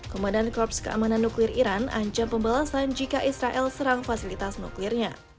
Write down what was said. komandan korps keamanan nuklir iran ancam pembalasan jika israel serang fasilitas nuklirnya